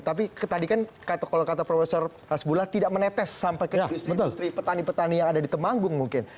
tapi tadi kan kalau kata profesor hasbullah tidak menetes sampai ke industri petani petani yang ada di temanggung mungkin